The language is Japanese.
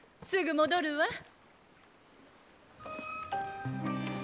すぐ戻るわ。